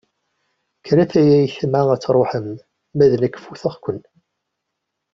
Kkert ay ayetma ad truḥem, ma d nekk futeɣ-ken.